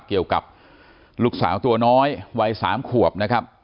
เกี่ยวกับลูกสาวตัวน้อยวัย๓ขวบนะครับ